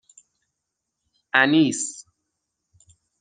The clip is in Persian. اَنیس